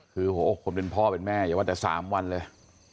คือหัวอกคนเป็นพ่อเป็นแม่อย่าว่าแต่๓วันเลย